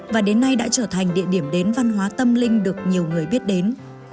và đến nay đã trở thành địa điểm đến văn hóa tâm linh được nhiều người biết đến